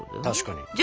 確かに！